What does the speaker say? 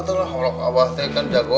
tolong abah ya kan jagoan